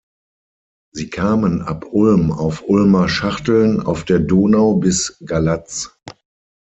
Sie kamen ab Ulm auf Ulmer Schachteln auf der Donau bis Galatz.